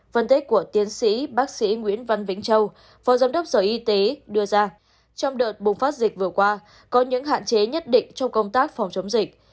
phân tích của tiến sĩ bác sĩ nguyễn văn vĩnh châu phó giám đốc sở y tế đưa ra trong đợt bùng phát dịch vừa qua có những hạn chế nhất định trong công tác phòng chống dịch